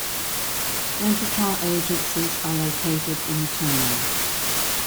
Rental car agencies are located in the terminal.